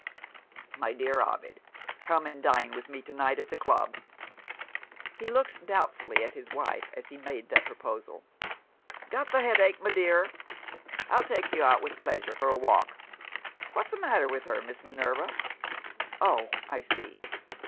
My dear Ovid, come and dine with me to night at the club." He looked doubtfully at his wife, as he made that proposal. "Got the headache, my dear? I'll take you out with pleasure for a walk. What's the matter with her, Miss Minerva? Oh, I see!